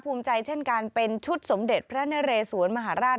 ภูมิใจเช่นการเป็นชุดสมเด็จพระนเรสวนมหาราช